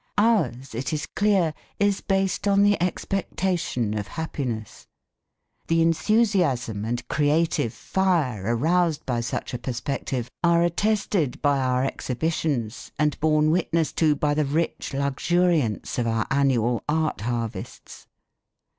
Ours, it is clear, is based on the expectation of happiness. The enthusiasm and creative fire aroused by such a perspective are attested by our exhibitions, and borne witness to by the rich luxuriance of our annual art harvests.